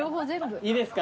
いいですか？